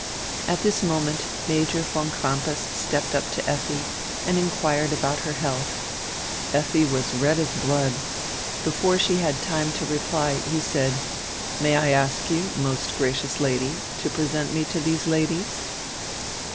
At this moment Major von Crampas stepped up to Effi and inquired about her health. Effi was red as blood. Before she had time to reply he said: "May I ask you, most gracious Lady, to present me to these Ladies?"